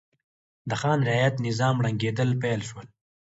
د خان رعیت نظام ړنګېدل پیل شول.